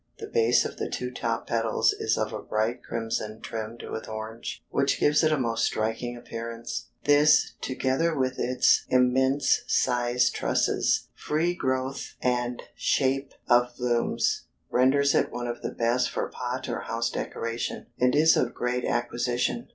The base of the two top petals is of a bright crimson tinted with orange, which gives it a most striking appearance; this, together with its immense sized trusses, free growth and shape of blooms, renders it one of the best for pot or house decoration, and is of great acquisition."